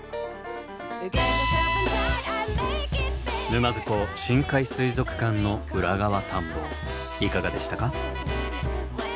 沼津港深海水族館の裏側探訪いかがでしたか？